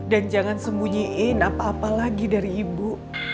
dan jangan sembunyiin apa apa lagi dari ibu